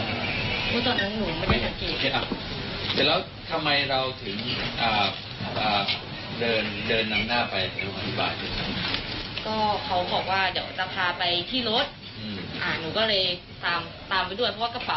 ของมันตกอยู่ด้านนอก